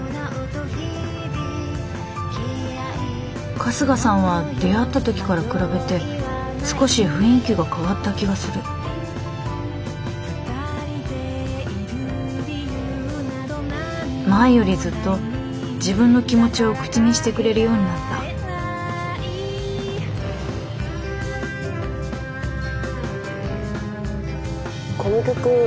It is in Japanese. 春日さんは出会った時から比べて少し雰囲気が変わった気がする前よりずっと自分の気持ちを口にしてくれるようになったこの曲いいですね。